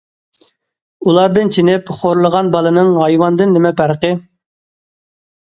ئۇلاردىن چېنىپ، خورلىغان بالىنىڭ ھايۋاندىن نېمە پەرقى؟!